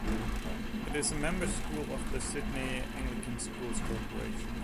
It is a member school of the Sydney Anglican Schools Corporation.